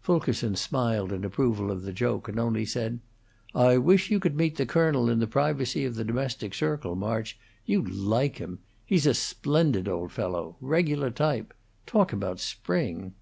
Fulkerson smiled in approval of the joke, and only said: "I wish you could meet the colonel in the privacy of the domestic circle, March. You'd like him. He's a splendid old fellow; regular type. Talk about spring!